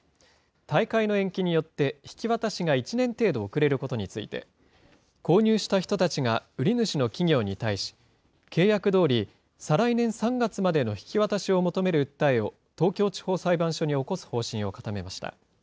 大会の延期によって、引き渡しが１年程度、遅れることについて、購入した人たちが売り主の企業に対し、契約どおり、再来年３月までの引き渡しを求める訴えを東京地方裁判所に起こす方針を固めました。